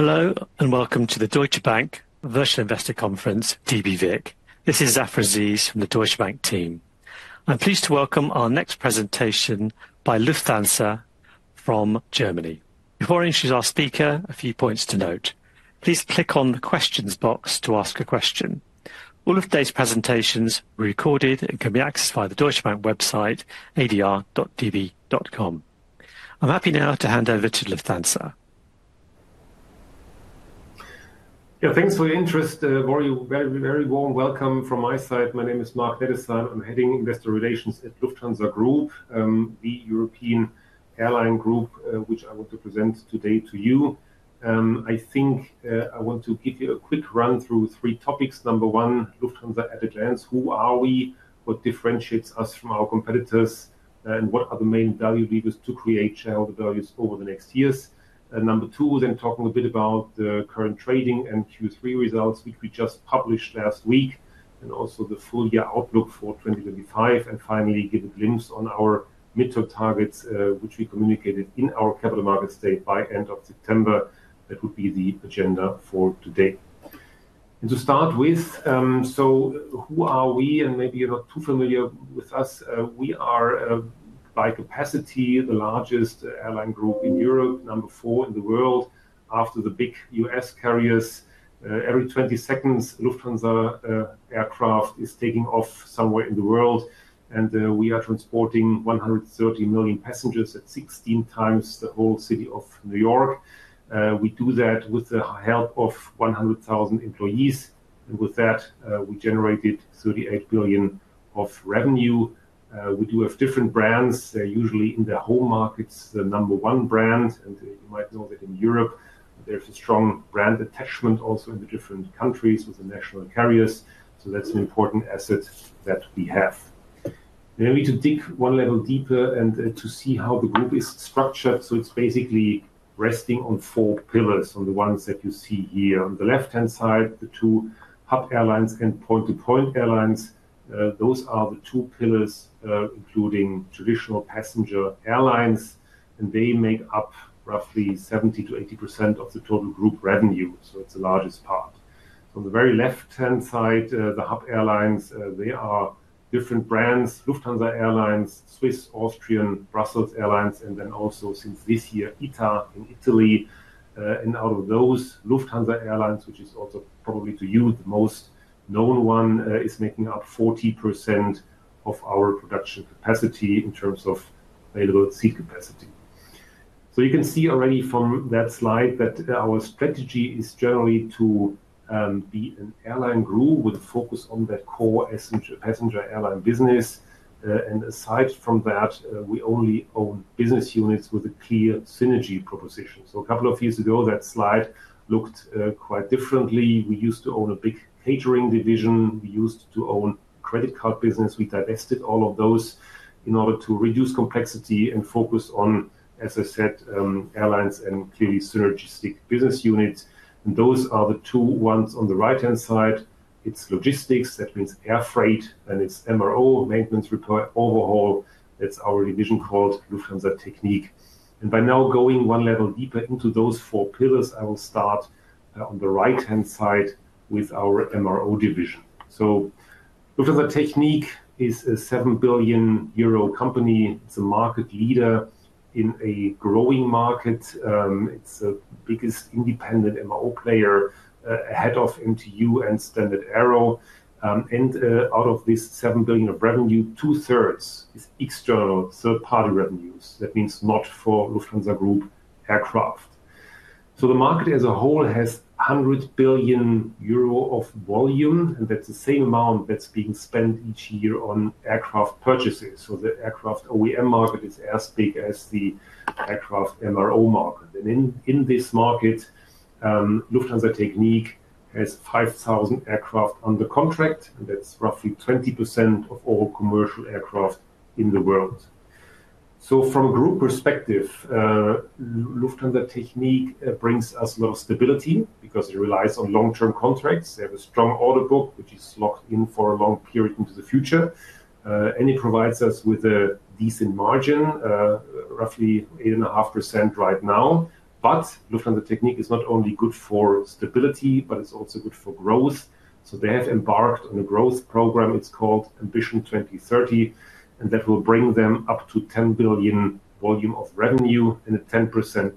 Hello and welcome to the Deutsche Bank Virtual Investor Conference, DBVIC. This is Zafar Aziz from the Deutsche Bank team. I'm pleased to welcome our next presentation by Lufthansa from Germany. Before I introduce our speaker, a few points to note. Please click on the questions box to ask a question. All of today's presentations were recorded and can be accessed via the Deutsche Bank website, adr.db.com. I'm happy now to hand over to Lufthansa. Yeah, thanks for your interest. Very, very warm welcome from my side. My name is Marc-Dominic Nettesheim. I'm heading investor relations at Lufthansa Group, the European airline group, which I want to present today to you. I think I want to give you a quick run through three topics. Number one, Lufthansa at a glance: who are we, what differentiates us from our competitors, and what are the main value levers to create shareholder value over the next years? Number two, then talking a bit about the current trading and Q3 results, which we just published last week, and also the full year outlook for 2025. And finally, give a glimpse on our midterm targets, which we communicated in our capital markets day by end of September. That would be the agenda for today, and to start with, so who are we? And maybe you're not too familiar with us. We are by capacity the largest airline group in Europe, number four in the world after the big U.S. carriers. Every 20 seconds, Lufthansa aircraft is taking off somewhere in the world, and we are transporting 130 million passengers at 16 times the whole city of New York. We do that with the help of 100,000 employees, and with that, we generated 38 billion of revenue. We do have different brands. They're usually in the home markets, the number one brand. And you might know that in Europe, there's a strong brand attachment also in the different countries with the national carriers. So that's an important asset that we have. Maybe to dig one level deeper and to see how the group is structured. So it's basically resting on four pillars, on the ones that you see here on the left-hand side, the two hub airlines and point-to-point airlines. Those are the two pillars, including traditional passenger airlines, and they make up roughly 70%-80% of the total group revenue. So it's the largest part. On the very left-hand side, the hub airlines, they are different brands: Lufthansa Airlines, Swiss, Austrian, Brussels Airlines, and then also since this year, ITA in Italy. And out of those, Lufthansa Airlines, which is also probably to you the most known one, is making up 40% of our production capacity in terms of available seat capacity. So you can see already from that slide that our strategy is generally to be an airline group with a focus on that core passenger airline business. And aside from that, we only own business units with a clear synergy proposition. So a couple of years ago, that slide looked quite differently. We used to own a big catering division. We used to own a credit card business. We divested all of those in order to reduce complexity and focus on, as I said, airlines and clearly synergistic business units. And those are the two ones on the right-hand side. It's logistics, that means air freight, and it's MRO, Maintenance, Repair, Overhaul. That's our division called Lufthansa Technik, and by now going one level deeper into those four pillars, I will start on the right-hand side with our MRO division, so Lufthansa Technik is a 7 billion euro company. It's a market leader in a growing market. It's the biggest independent MRO player, ahead of MTU and StandardAero, and out of this 7 billion of revenue, 2/3 is external third-party revenues. That means not for Lufthansa Group aircraft, so the market as a whole has 100 billion euro of volume, and that's the same amount that's being spent each year on aircraft purchases. So the aircraft OEM market is as big as the aircraft MRO market, and in this market Lufthansa Technik has 5,000 aircraft under contract, and that's roughly 20% of all commercial aircraft in the world, so from a group perspective Lufthansa Technik brings us a lot of stability because it relies on long-term contracts. They have a strong order book, which is locked in for a long period into the future, and it provides us with a decent margin, roughly 8.5% right now, but Lufthansa Technik is not only good for stability, but it's also good for growth, so they have embarked on a growth program. It's called Ambition 2030, and that will bring them up to 10 billion volume of revenue and a 10%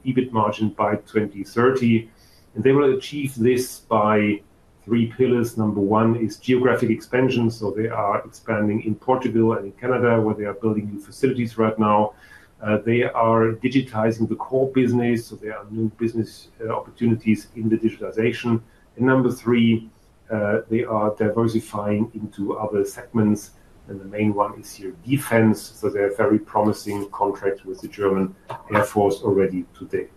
EBIT margin by 2030, and they will achieve this by three pillars. Number one is Geographic Expansion, so they are expanding in Portugal and in Canada, where they are building new facilities right now. They are digitizing the core business, so there are new business opportunities in the digitization, and number three, they are diversifying into other segments, and the main one is here Defense, so they have very promising contracts with the German Air Force already today.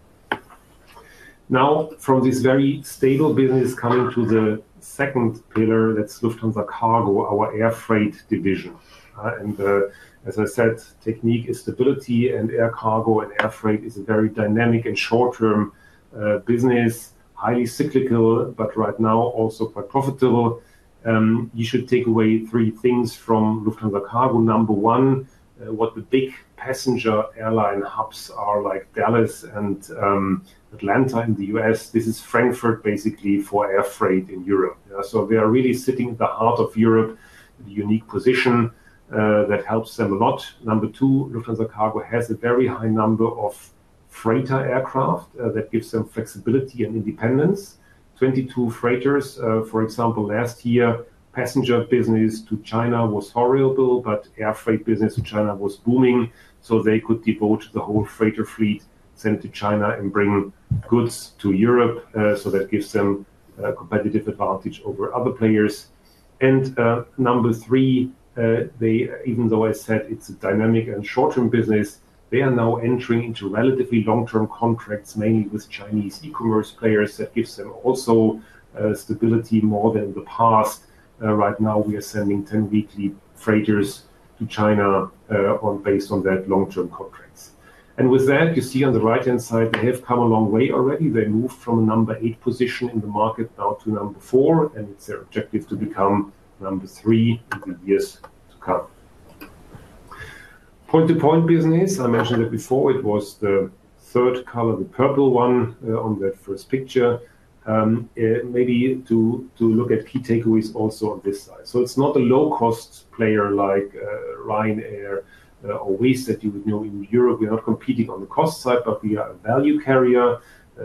Now, from this very stable business, coming to the second pillar, that's Lufthansa Cargo, our air freight division, and as I said, Technik is stability, and air cargo and air freight is a very dynamic and short-term business, highly cyclical, but right now also quite profitable. You should take away three things from Lufthansa Cargo. Number one, what the big passenger airline hubs are like, Dallas and Atlanta in the U.S. This is Frankfurt, basically, for air freight in Europe, so they are really sitting at the heart of Europe, a unique position. That helps them a lot. Number two, Lufthansa Cargo has a very high number of freighter aircraft. That gives them flexibility and independence. 22 freighters, for example, last year, passenger business to China was horrible, but air freight business to China was booming, so they could devote the whole freighter fleet, send to China, and bring goods to Europe, so that gives them a competitive advantage over other players, and number three, even though I said it's a dynamic and short-term business, they are now entering into relatively long-term contracts, mainly with Chinese e-commerce players. That gives them also. Stability more than in the past. Right now, we are sending 10 weekly freighters to China based on that long-term contracts. And with that, you see on the right-hand side, they have come a long way already. They moved from a number eight position in the market now to number four, and it's their objective to become number three in the years to come. Point-to-point business, I mentioned it before. It was the third color, the purple one on that first picture. Maybe to look at key takeaways also on this side. So it's not a low-cost player like Ryanair or Wizz Air that you would know in Europe. We're not competing on the cost side, but we are a value carrier.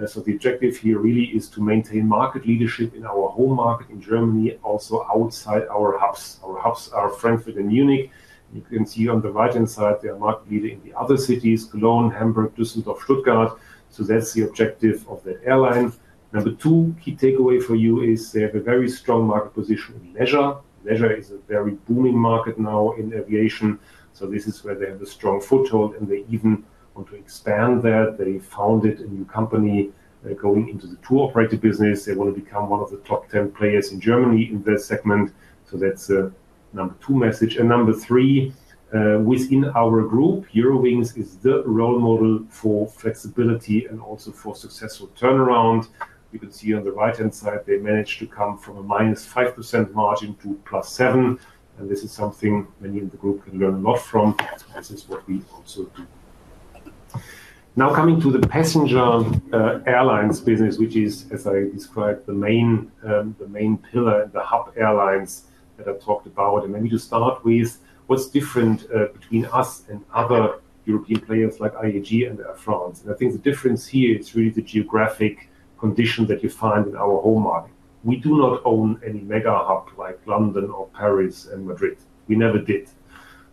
So the objective here really is to maintain market leadership in our home market in Germany, also outside our hubs. Our hubs are Frankfurt and Munich. You can see on the right-hand side, they are market leaders in the other cities, Cologne, Hamburg, Düsseldorf, Stuttgart. So that's the objective of that airline. Number two, key takeaway for you is they have a very strong market position in leisure. Leisure is a very booming market now in aviation. So this is where they have a strong foothold, and they even want to expand that. They founded a new company going into the tour operator business. They want to become one of the top 10 players in Germany in that segment. So that's the number two message. Number three, within our group, Eurowings is the role model for flexibility and also for successful turnaround. You can see on the right-hand side, they managed to come from a -5% margin to +7%. This is something many in the group can learn a lot from. So this is what we also do. Now coming to the passenger airlines business, which is, as I described, the main pillar and the hub airlines that I talked about. Maybe to start with, what's different between us and other European players like IAG and Air France? I think the difference here is really the geographic condition that you find in our home market. We do not own any mega hub like London or Paris and Madrid. We never did.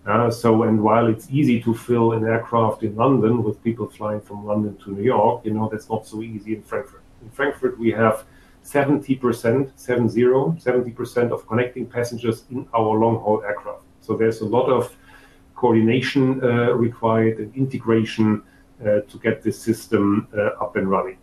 While it's easy to fill an aircraft in London with people flying from London to New York, that's not so easy in Frankfurt. In Frankfurt, we have 70%, 7-0, 70% of connecting passengers in our long-haul aircraft. So there's a lot of coordination required and integration to get this system up and running.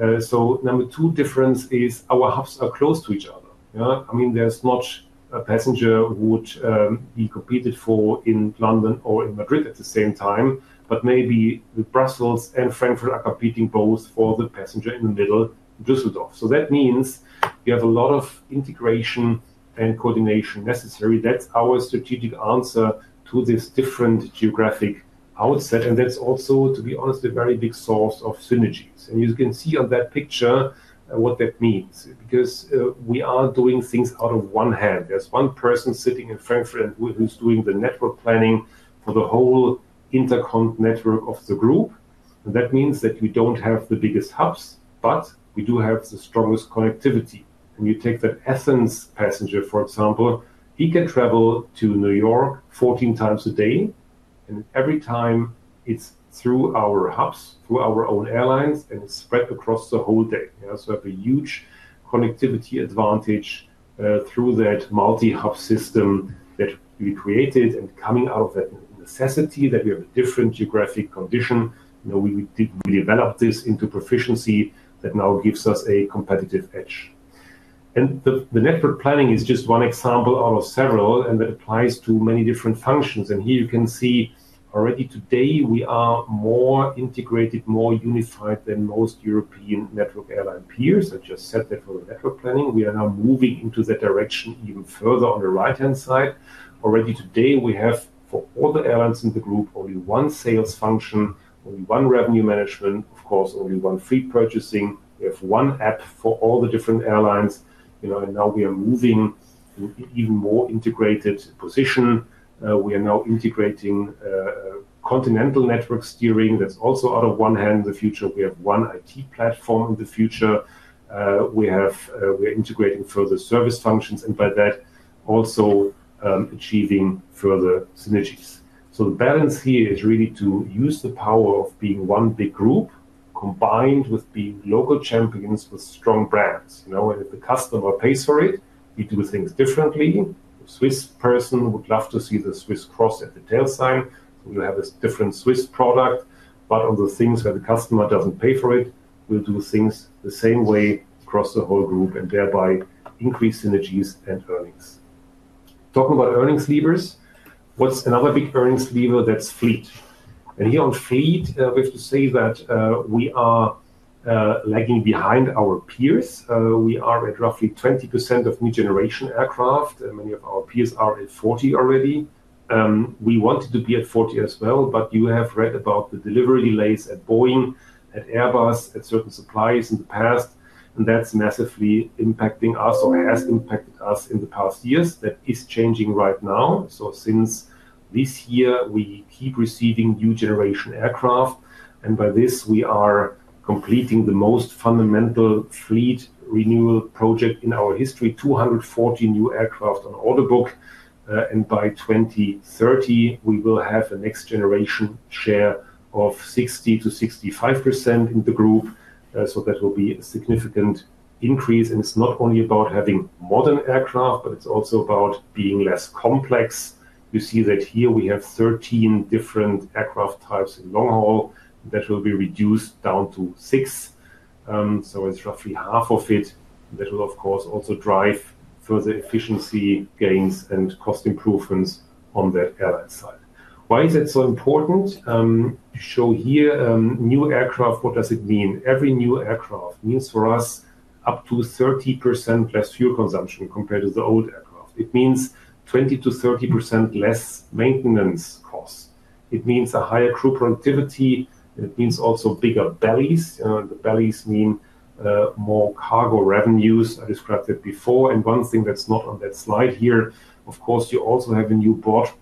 Number two difference is our hubs are close to each other. I mean, there's not a passenger who would be competed for in London or in Madrid at the same time, but maybe the Brussels and Frankfurt are competing both for the passenger in the middle, Düsseldorf. So that means we have a lot of integration and coordination necessary. That's our strategic answer to this different geographic outset. And that's also, to be honest, a very big source of synergies. And you can see on that picture what that means because we are doing things out of one hand. There's one person sitting in Frankfurt who's doing the network planning for the whole intra-group network of the group. And that means that we don't have the biggest hubs, but we do have the strongest connectivity. And you take that Athens passenger, for example, he can travel to New York 14x a day. And every time it's through our hubs, through our own airlines, and it's spread across the whole day. So we have a huge connectivity advantage through that multi-hub system that we created. And coming out of that necessity that we have a different geographic condition, we developed this into proficiency that now gives us a competitive edge. And the network planning is just one example out of several, and that applies to many different functions. And here you can see already today we are more integrated, more unified than most European network airline peers. I just said that for the network planning. We are now moving into that direction even further on the right-hand side. Already today, we have for all the airlines in the group, only one sales function, only one revenue management, of course, only one fleet purchasing. We have one app for all the different airlines. And now we are moving. In an even more integrated position. We are now integrating. Central network steering. That's also out of one hand in the future. We have one IT platform in the future. We are integrating further service functions, and by that also. Achieving further synergies. So the balance here is really to use the power of being one big group combined with being local champions with strong brands. And if the customer pays for it, we do things differently. The Swiss person would love to see the Swiss cross at the tail sign. So we'll have a different Swiss product. But on the things where the customer doesn't pay for it, we'll do things the same way across the whole group and thereby increase synergies and earnings. Talking about earnings levers, what's another big earnings lever? That's fleet. And here on fleet, we have to say that we are lagging behind our peers. We are at roughly 20% of new generation aircraft, and many of our peers are at 40% already. We wanted to be at 40% as well, but you have read about the delivery delays at Boeing, at Airbus, at certain suppliers in the past, and that's massively impacting us or has impacted us in the past years. That is changing right now. So since this year, we keep receiving new generation aircraft. And by this, we are completing the most fundamental fleet renewal project in our history: 240 new aircraft on order book. And by 2030, we will have a next generation share of 60%-65% in the group. So that will be a significant increase. And it's not only about having modern aircraft, but it's also about being less complex. You see that here we have 13 different aircraft types in long haul. That will be reduced down to six. So it's roughly half of it. That will, of course, also drive further efficiency gains and cost improvements on that airline side. Why is it so important? To show here new aircraft, what does it mean? Every new aircraft means for us up to 30% less fuel consumption compared to the old aircraft. It means 20%-30% less maintenance costs. It means a higher crew productivity. It means also bigger bellies. The bellies mean more cargo revenues. I described it before. And one thing that's not on that slide here, of course, you also have a new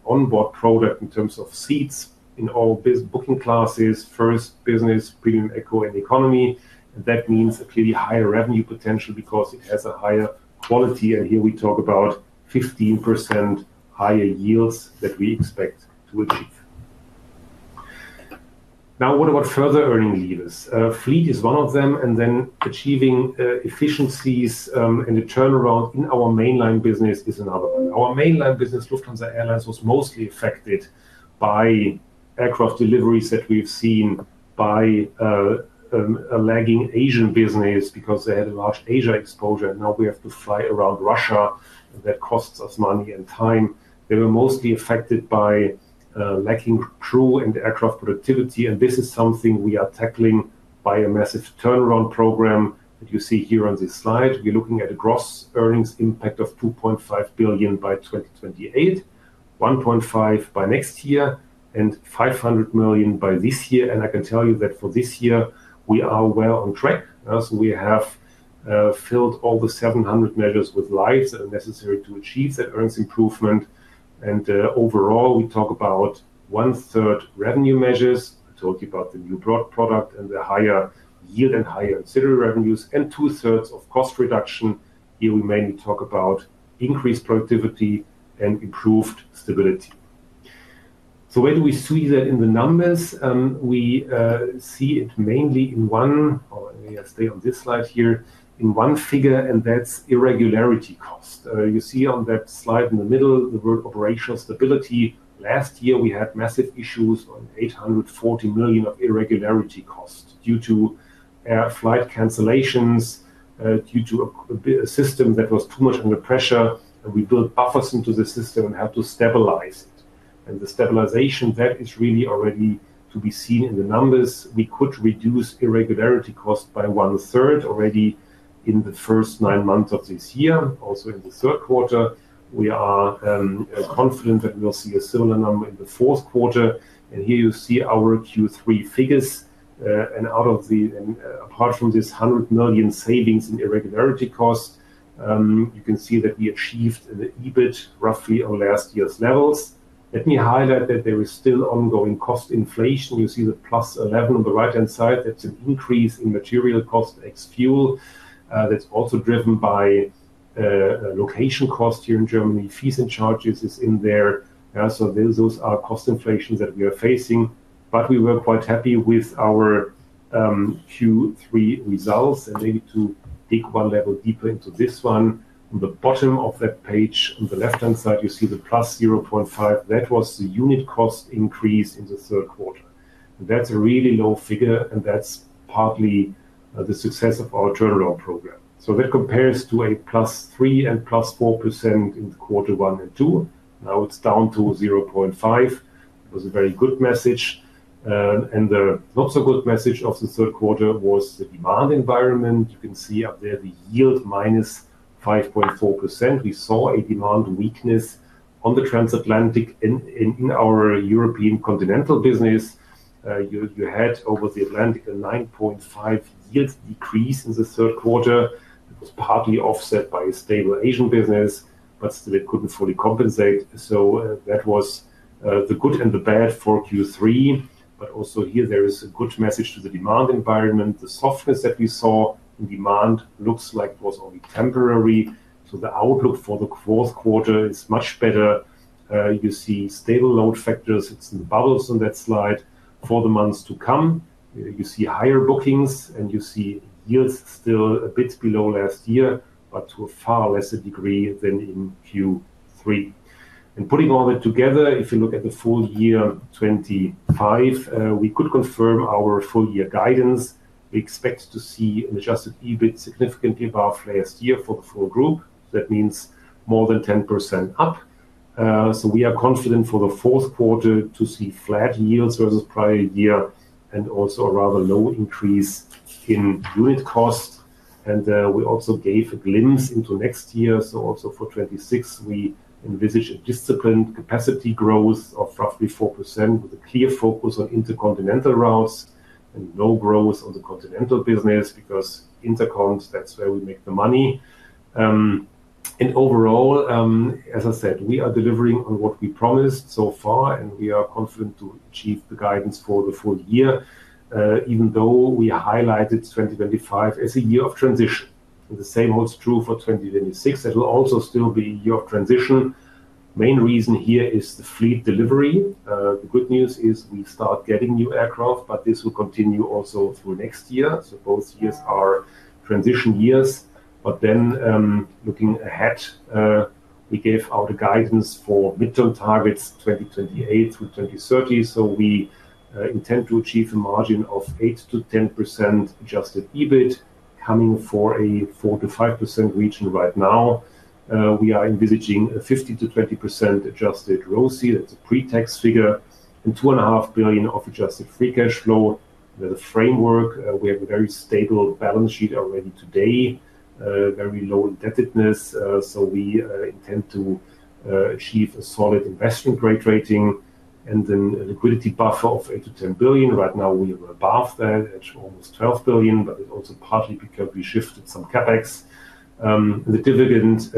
onboard product in terms of seats in all booking classes: first, business, premium, eco, and economy. And that means a clearly higher revenue potential because it has a higher quality. And here we talk about 15% higher yields that we expect to achieve. Now, what about further earning levers? Fleet is one of them. And then achieving efficiencies and the turnaround in our mainline business is another one. Our mainline business, Lufthansa Airlines, was mostly affected by aircraft deliveries that we've seen by a lagging Asian business because they had a large Asia exposure. And now we have to fly around Russia, and that costs us money and time. They were mostly affected by lacking crew and aircraft productivity. And this is something we are tackling by a massive turnaround program that you see here on this slide. We're looking at a gross earnings impact of 2.5 billion by 2028, 1.5 billion by next year, and 500 million by this year. And I can tell you that for this year, we are well on track. So we have filled all the 700 measures with lives necessary to achieve that earnings improvement. And overall, we talk about one-third revenue measures. I told you about the new broad product and the higher yield and higher ancillary revenues, and two-thirds of cost reduction. Here we mainly talk about increased productivity and improved stability. So where do we see that in the numbers? We see it mainly in one—or I stay on this slide here—in one figure, and that's irregularity cost. You see on that slide in the middle the word operational stability. Last year, we had massive issues on 840 million of irregularity costs due to flight cancellations, due to a system that was too much under pressure. And we built buffers into the system and had to stabilize it. And the stabilization, that is really already to be seen in the numbers. We could reduce irregularity cost by 1/3 already in the first nine months of this year, also in the third quarter. We are. Confident that we'll see a similar number in the fourth quarter, and here you see our Q3 figures, and apart from this 100 million savings in irregularity costs, you can see that we achieved an EBIT roughly on last year's levels. Let me highlight that there is still ongoing cost inflation. You see the +11% on the right-hand side. That's an increase in material cost, ex-fuel. That's also driven by location cost here in Germany. Fees and charges is in there. So those are cost inflations that we are facing, but we were quite happy with our Q3 results, and maybe to dig one level deeper into this one, on the bottom of that page, on the left-hand side, you see the +0.5%. That was the unit cost increase in the third quarter, and that's a really low figure, and that's partly the success of our turnaround program. So that compares to a +3% and +4% in quarter one and two. Now it's down to 0.5%. It was a very good message, and the not-so-good message of the third quarter was the demand environment. You can see up there the yield -5.4%. We saw a demand weakness on the transatlantic and in our European continental business. You had over the Atlantic a 9.5% yield decrease in the third quarter. It was partly offset by a stable Asian business, but still it couldn't fully compensate. So that was the good and the bad for Q3, but also here, there is a good message to the demand environment. The softness that we saw in demand looks like it was only temporary. So the outlook for the fourth quarter is much better. You see stable load factors. It's in the bubbles on that slide. For the months to come, you see higher bookings, and you see yields still a bit below last year, but to a far lesser degree than in Q3, and putting all that together, if you look at the full year 2025, we could confirm our full year guidance. We expect to see an adjusted EBIT significantly above last year for the full group. That means more than 10% up. So we are confident for the fourth quarter to see flat yields versus prior year and also a rather low increase in unit cost, and we also gave a glimpse into next year, so also for 2026, we envisage a disciplined capacity growth of roughly 4% with a clear focus on intercontinental routes and no growth on the continental business because intercoms, that's where we make the money, and overall, as I said, we are delivering on what we promised so far, and we are confident to achieve the guidance for the full year, even though we highlighted 2025 as a year of transition, and the same holds true for 2026. It will also still be a year of transition. Main reason here is the fleet delivery. The good news is we start getting new aircraft, but this will continue also through next year. So both years are transition years. But then looking ahead, we gave out a guidance for midterm targets 2028 through 2030. So we intend to achieve a margin of 8%-10% adjusted EBIT, coming for a 4%-5% region right now. We are envisaging a 5%-20% adjusted ROIC. That's a pre-tax figure. And 2.5 billion of adjusted free cash flow. The framework, we have a very stable balance sheet already today. Very low indebtedness. So we intend to achieve a solid investment grade rating and then a liquidity buffer of 8 billion-10 billion. Right now, we are above that at almost 12 billion, but it's also partly because we shifted some CapEx. The dividend,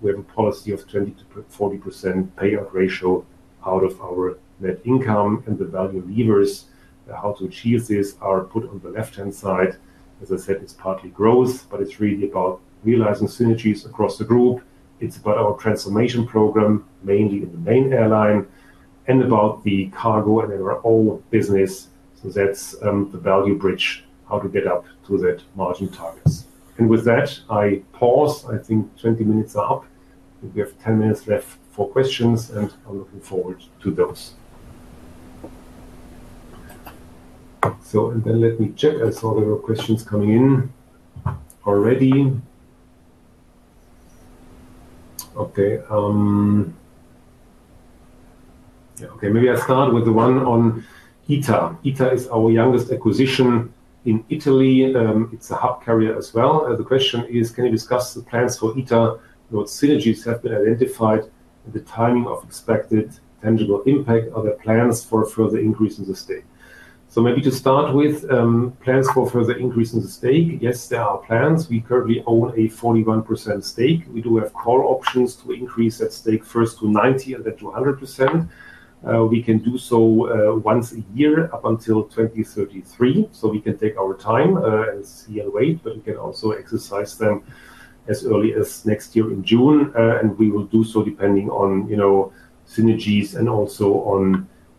we have a policy of 20%-40% payout ratio out of our net income. And the value levers, how to achieve this, are put on the left-hand side. As I said, it's partly growth, but it's really about realizing synergies across the group. It's about our transformation program, mainly in the main airline, and about the cargo and our own business. So that's the value bridge, how to get up to that margin targets. And with that, I pause. I think 20 minutes are up. We have 10 minutes left for questions, and I'm looking forward to those. So then let me check. I saw there were questions coming in already. Okay. Yeah. Okay. Maybe I'll start with the one on ITA. ITA is our youngest acquisition in Italy. It's a hub carrier as well. The question is, can you discuss the plans for ITA? Synergies have been identified. The timing of expected tangible impact. Are there plans for further increase in the stake? So maybe to start with. Plans for further increase in the stake? Yes, there are plans. We currently own a 41% stake. We do have call options to increase that stake first to 90% and then to 100%. We can do so once a year up until 2033. So we can take our time and see and wait, but we can also exercise them as early as next year in June. And we will do so depending on synergies and also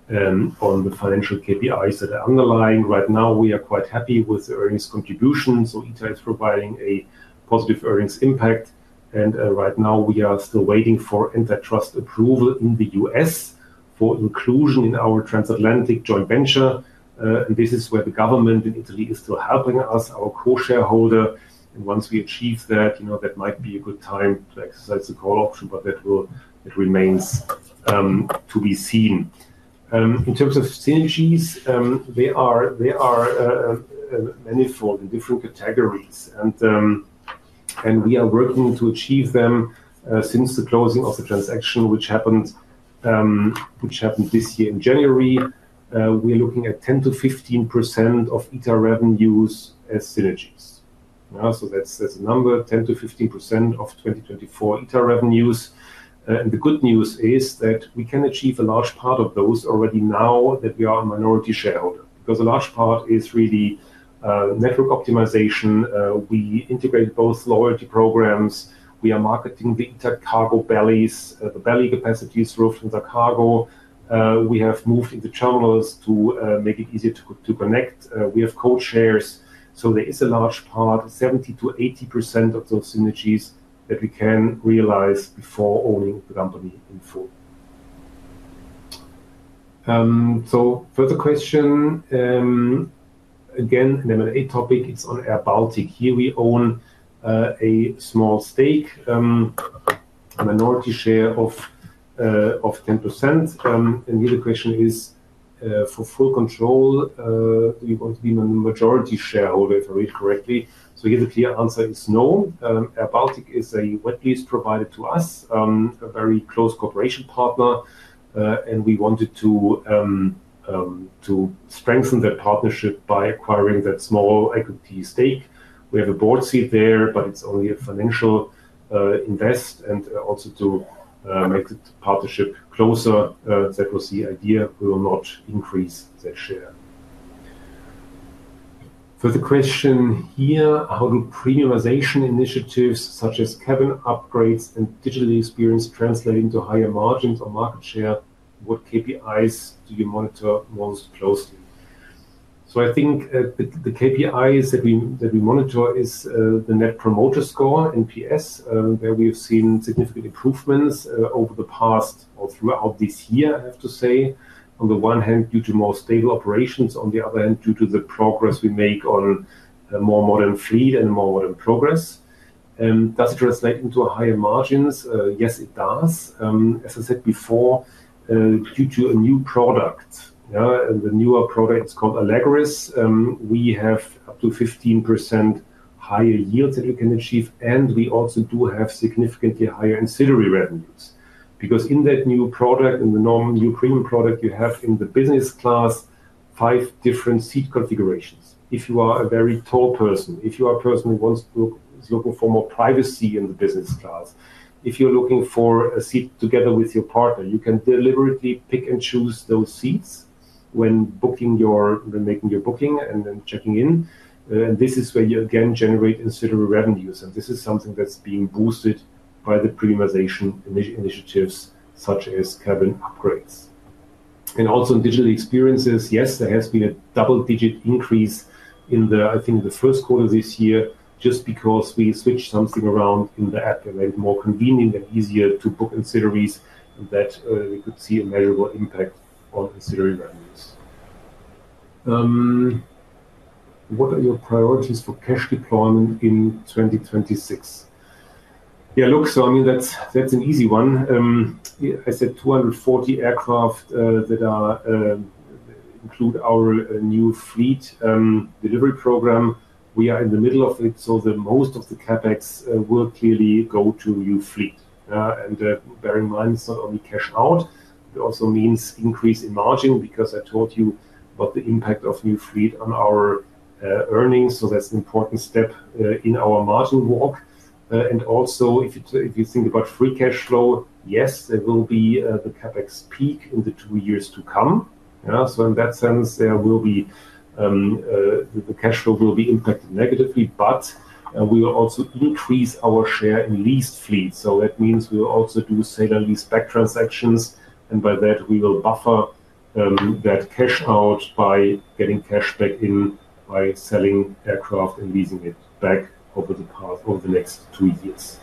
on the financial KPIs that are underlying. Right now, we are quite happy with the earnings contribution. So ITA is providing a positive earnings impact. And right now, we are still waiting for antitrust approval in the U.S. for inclusion in our transatlantic joint venture. And this is where the government in Italy is still helping us, our co-shareholder. And once we achieve that, that might be a good time to exercise the call option, but that remains to be seen. In terms of synergies, they are manifold in different categories. And we are working to achieve them since the closing of the transaction, which happened this year in January. We're looking at 10%-15% of ITA revenues as synergies. So that's a number, 10%-15% of 2024 ITA revenues. And the good news is that we can achieve a large part of those already now that we are a minority shareholder because a large part is really network optimization. We integrate both loyalty programs. We are marketing the ITA cargo bellies, the belly capacities through Lufthansa Cargo. We have moved into terminals to make it easier to connect. We have co-chairs. So there is a large part, 70%-80% of those synergies that we can realize before owning the company in full. So further question. Again, an M&A topic. It's on Air Baltic. Here we own a small stake, a minority share of 10%. And here the question is for full control, do you want to be the majority shareholder if I read correctly? So here the clear answer is no. Air Baltic is a wet lease provided to us, a very close corporate partner. And we wanted to strengthen that partnership by acquiring that small equity stake. We have a board seat there, but it's only a financial investment. And also to make the partnership closer, that was the idea. We will not increase that share. Further question here. How do premiumization initiatives such as cabin upgrades and digital experience translate into higher margins or market share? What KPIs do you monitor most closely? So I think the KPIs that we monitor is the net promoter score, NPS, where we have seen significant improvements over the past or throughout this year, I have to say. On the one hand, due to more stable operations. On the other hand, due to the progress we make on more modern fleet and more modern products. Does it translate into higher margins? Yes, it does. As I said before, due to a new product. The newer product is called Allegris. We have up to 15% higher yields that we can achieve. And we also do have significantly higher ancillary revenues because in that new product, in the new premium product, you have in the business class five different seat configurations. If you are a very tall person, if you are a person who is looking for more privacy in the business class, if you're looking for a seat together with your partner, you can deliberately pick and choose those seats when making your booking and then checking in. And this is where you, again, generate ancillary revenues. And this is something that's being boosted by the premiumization initiatives such as cabin upgrades. And also in digital experiences, yes, there has been a double-digit increase in the, I think, the first quarter this year just because we switched something around in the app and made it more convenient and easier to book ancillaries and that we could see a measurable impact on ancillary revenues. What are your priorities for cash deployment in 2026? Yeah, look, so I mean, that's an easy one. I said 240 aircraft that are included in our new fleet delivery program. We are in the middle of it. So most of the CapEx will clearly go to new fleet. And bear in mind, it's not only cash out. It also means increase in margin because I told you about the impact of new fleet on our earnings. So that's an important step in our margin walk. And also, if you think about free cash flow, yes, there will be the CapEx peak in the two years to come. So in that sense, the cash flow will be impacted negatively, but we will also increase our share in leased fleet. So that means we will also do sale and lease-back transactions. And by that, we will buffer that cash out by getting cash back in by selling aircraft and leasing it back over the next two years.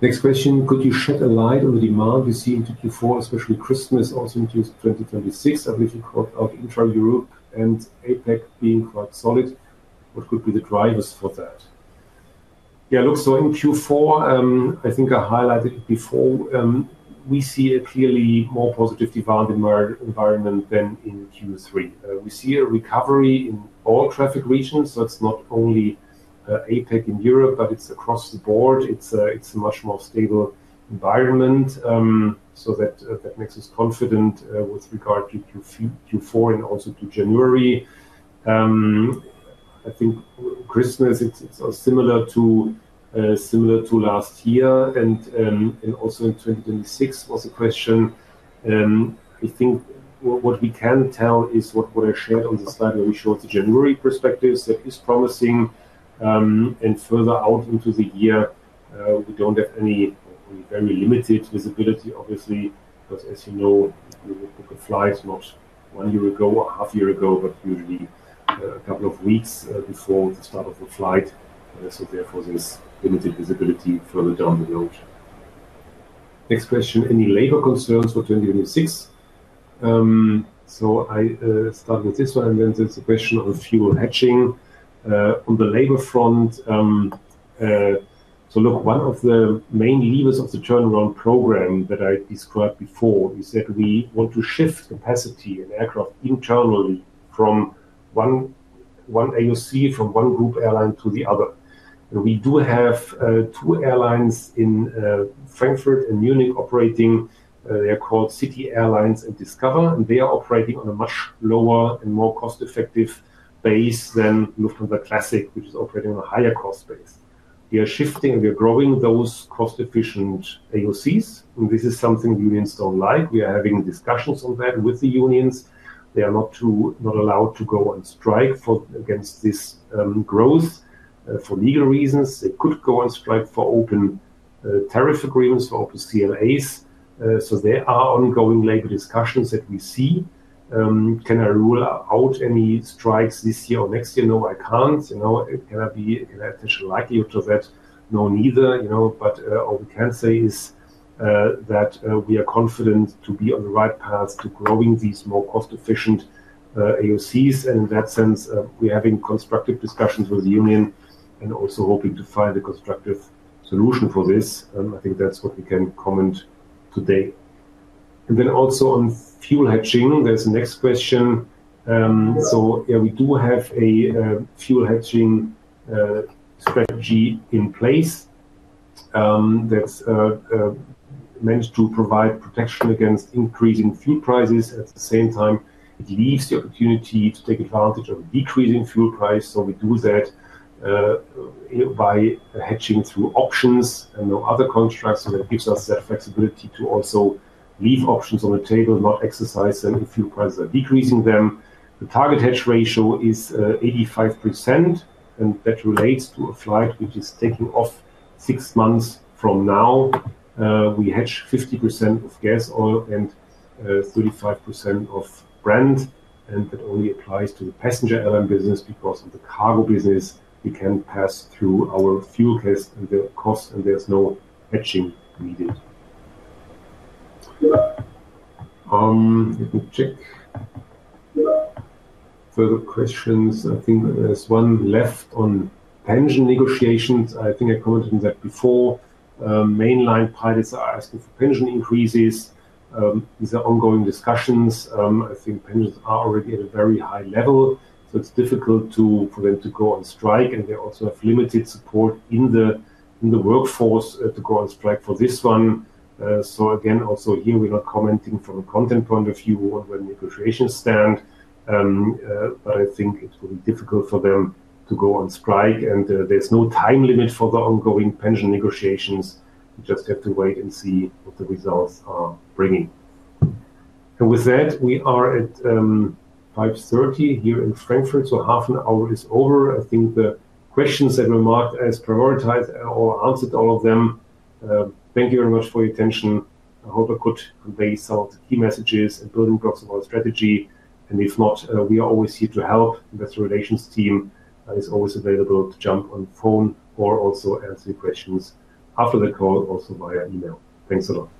Next question. Could you shed some light on the demand we see in Q4, especially Christmas also in 2026? I believe you called out intra-Europe and APAC being quite solid. What could be the drivers for that? Yeah, look, so in Q4, I think I highlighted it before, we see a clearly more positive demand environment than in Q3. We see a recovery in all traffic regions. So it's not only APAC in Europe, but it's across the board. It's a much more stable environment. So that makes us confident with regard to Q4 and also to January. I think Christmas, it's similar to last year. And also in 2026 was a question. I think what we can tell is what I shared on the slide where we showed the January perspective. So it is promising. And further out into the year, we don't have any very limited visibility, obviously, because, as you know, we would book a flight not one year ago or half a year ago, but usually a couple of weeks before the start of the flight. So therefore, there's limited visibility further down the road. Next question. Any labor concerns for 2026? So I start with this one, and then there's a question on fuel hedging. On the labor front. So look, one of the main levers of the turnaround program that I described before, we said we want to shift capacity in aircraft internally from one AOC, from one group airline to the other. And we do have two airlines in Frankfurt and Munich operating. They're called Lufthansa CityLine and Discover Airlines. And they are operating on a much lower and more cost-effective base than Lufthansa Classic, which is operating on a higher cost base. We are shifting and we are growing those cost-efficient AOCs. And this is something unions don't like. We are having discussions on that with the unions. They are not allowed to go on strike against this growth for legal reasons. They could go on strike for open tariff agreements, for open CLAs. So there are ongoing labor discussions that we see. Can I rule out any strikes this year or next year? No, I can't. Can I assess the likelihood to that? No, neither. But all we can say is that we are confident to be on the right path to growing these more cost-efficient AOCs. And in that sense, we're having constructive discussions with the union and also hoping to find a constructive solution for this. I think that's what we can comment today. And then also on fuel hedging, there's a next question. So yeah, we do have a fuel hedging strategy in place. That's meant to provide protection against increasing fuel prices. At the same time, it leaves the opportunity to take advantage of a decreasing fuel price. So we do that by hedging through options and no other constructs. So that gives us that flexibility to also leave options on the table, not exercise them if fuel prices are decreasing them. The target hedge ratio is 85%. And that relates to a flight which is taking off six months from now. We hedge 50% of gas oil and 35% of jet. And that only applies to the passenger airline business because in the cargo business we can pass through our fuel costs, and there's no hedging needed. Let me check further questions. I think there's one left on pension negotiations. I think I commented on that before. Mainline pilots are asking for pension increases. These are ongoing discussions. I think pensions are already at a very high level. So it's difficult for them to go on strike. And they also have limited support in the workforce to go on strike for this one. So again, also here, we're not commenting from a content point of view on where negotiations stand. But I think it will be difficult for them to go on strike. And there's no time limit for the ongoing pension negotiations. We just have to wait and see what the results are bringing. And with that, we are at 5:30 P.M. here in Frankfurt. So half an hour is over. I think the questions that were marked as prioritized or answered all of them. Thank you very much for your attention. I hope I could convey some of the key messages and building blocks of our strategy. And if not, we are always here to help. Investor Relations team is always available to jump on the phone or also answer your questions after the call, also via email. Thanks a lot.